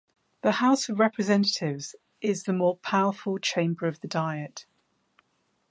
The House of Representatives is the more powerful chamber of the Diet.